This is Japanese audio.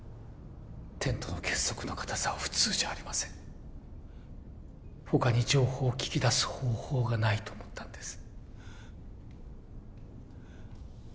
テントの結束の固さは普通じゃありません他に情報を聞き出す方法がないと思ったんです